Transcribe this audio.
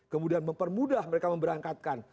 kemudian mempermudah mereka memberangkatkan